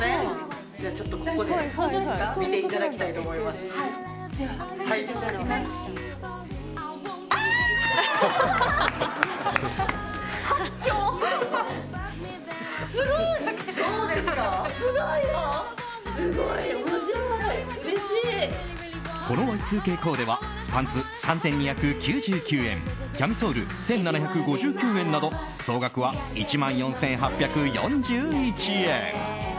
すごい！このＹ２Ｋコーデはパンツ、３２９９円キャミソール、１７５９円など総額は１万４８４１円。